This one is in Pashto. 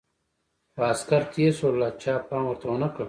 خو عسکر تېر شول او چا پام ورته ونه کړ.